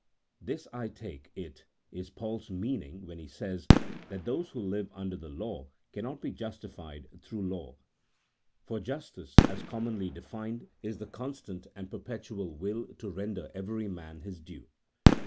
This, I take CHAP. IV. J OF THE DIVINE LAW. 59* it, is Paul's meaning when lie says, that those who live under the law cannot be justified through the law, for jus tice, as commonly defined, is the constant and perpetual will to render every man his due.